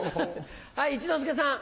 はい一之輔さん。